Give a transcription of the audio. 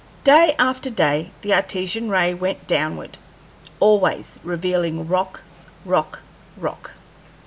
Day after day the Artesian ray went downward, always revealing rock, rock, rock.